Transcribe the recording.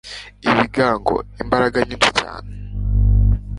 ibigango imbaraga nyinshi cyane